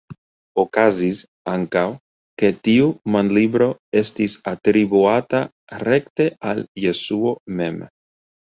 Okazis ankaŭ ke tiu manlibro estis atribuata rekte al Jesuo mem.